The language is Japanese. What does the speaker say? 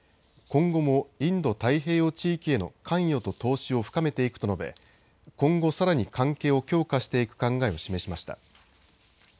今後もインド太平洋地域への関与と投資を深めていくと述べ今後さらに関係を強化していく考えを示しました。